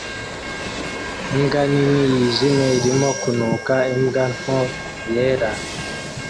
Imbwa nini yijimye irimo kunuka imbwa nto yera